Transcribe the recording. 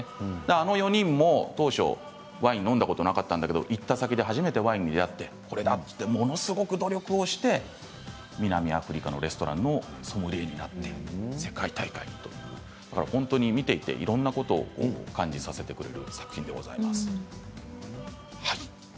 あの４人も当初ワインを飲んだことがなかったんだけど行った先で初めてワインに出会ってものすごく努力をして南アフリカのレストランのソムリエになって世界大会という本当に見ていていろんなことを感じさせてくれる作品でございます。